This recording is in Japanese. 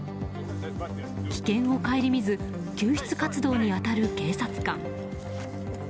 危険を顧みず救出活動に当たる警察官。